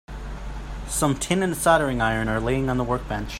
Some tin and a soldering iron are laying on the workbench.